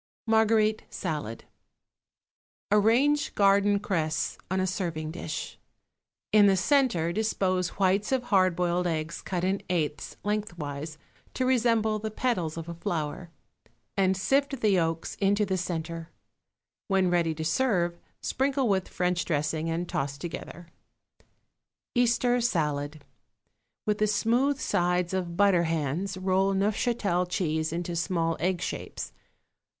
=Marguerite Salad.= (See cut facing page 84.) Arrange garden cress on a serving dish; in the centre dispose whites of hard boiled eggs cut in eighths lengthwise, to resemble the petals of a flower, and sift the yolks into the centre. When ready to serve, sprinkle with French dressing and toss together. =Easter Salad.= With the smooth sides of butter hands roll Neufchatel cheese into small egg shapes.